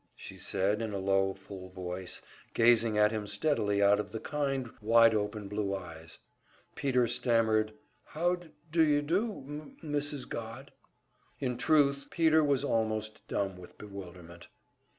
she said in a low, full voice, gazing at him steadily out of the kind, wide open blue eyes. Peter stammered, "How d dy do, M Mrs. Godd." In truth, Peter was almost dumb with bewilderment.